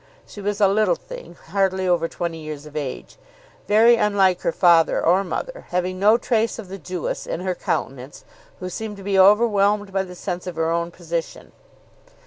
She was a little thing, hardly over twenty years of age, very unlike her father or mother, having no trace of the Jewess in her countenance, who seemed to be overwhelmed by the sense of her own position.